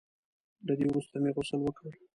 له دې وروسته مې غسل وکړ.